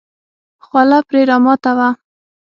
خوله پرې راماته وه.